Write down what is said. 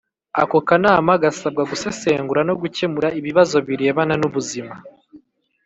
Ako Kanama gasabwa gusesengura no gukemura ibibazo birebana n’ubuzima